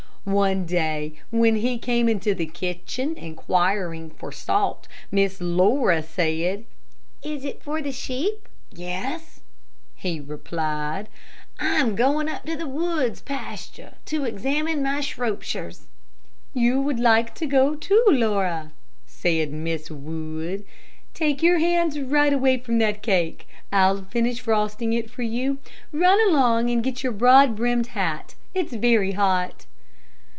One day when he came into the kitchen inquiring for salt, Miss Laura said: "Is it for the sheep?" "Yes," he replied; "I am going up to the woods pasture to examine my Shropshires." "You would like to go too, Laura," said Mrs. Wood. "Take your hands right away from that cake. I'll finish frosting it for you. Run along and get your broad brimmed hat. It's very hot."